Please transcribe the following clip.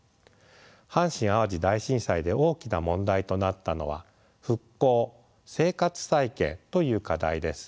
阪神・淡路大震災で大きな問題となったのは復興・生活再建という課題です。